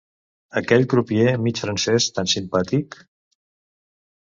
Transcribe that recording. Aquell crupier mig francès tan simpàtic?